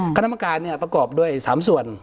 คณะมการเนี่ยประกอบด้วย๓ส่วน